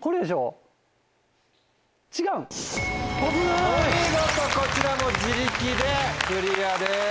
お見事こちらも自力でクリアです。